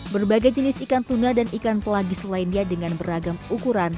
berbagai jenis ikan tuna dan ikan pelagis lainnya dengan beragam ukuran